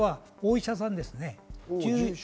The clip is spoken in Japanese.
お医者さんです。